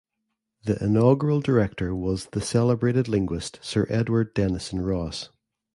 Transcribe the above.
The inaugural director was the celebrated linguist Sir Edward Denison Ross.